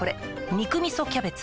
「肉みそキャベツ」